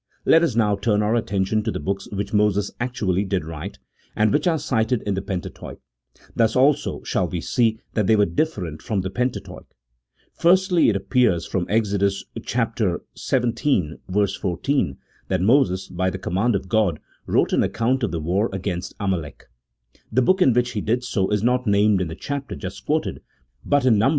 Let us now turn our attention to the books which Moses actually did write, and which are cited in the Pentateuch ; thus, also, shall we see that they were different from the Pentateuch. Firstly, it appears from Exodus xvii. 14 that Moses, by the command of God, wrote an account of the war against Amalek. The book in which he did so is not named in 1 See Note 10. CHAP. VIII.] THE AUTHORSHIP OP THE PENTATEUCH.